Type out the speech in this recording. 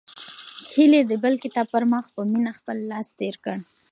هیلې د بل کتاب پر مخ په مینه خپل لاس تېر کړ.